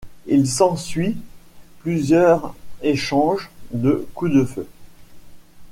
Il s'ensuit plusieurs échanges de coups de feu.